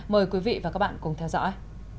mời quý vị và các bạn cùng theo dõi